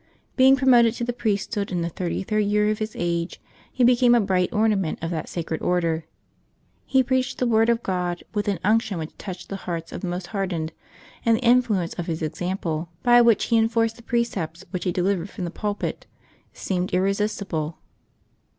Being promoted to the priesthood in the thirt3' third year of his age, he became a bright ornament of that sacred order. He preached the word of God with an unction which touched the hearts of the most hardened ; and the influence of his example, by which he enforced the precepts which he delivered from the pulpit, seemed irresistible.